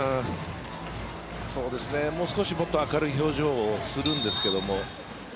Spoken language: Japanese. もう少し、もっと明るい表情をするんですけども。